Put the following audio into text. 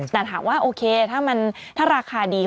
แต่ถามว่าโอเคถ้าราคาดี